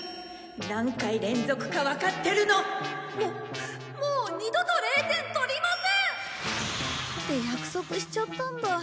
何回連続かわかってるの！？ももう二度と０点取りません！って約束しちゃったんだ。